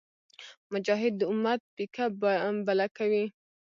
مجاهد د امت پیکه بله کوي.